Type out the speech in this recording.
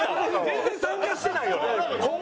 全然参加してないやん。